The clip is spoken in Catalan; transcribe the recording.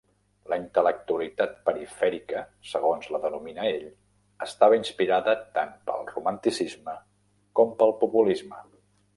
La intel·lectualitat perifèrica, segons la denomina ell, estava inspirada tant pel romanticisme com pel populisme.